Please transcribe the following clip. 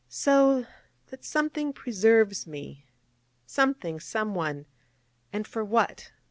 So that something preserves me, Something, Someone: _and for what?